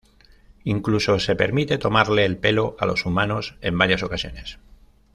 Incluso se permite tomarle el pelo a los humanos en varias ocasiones.